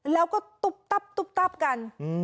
แล้วก็ตุ๊ปตั๊ปกัน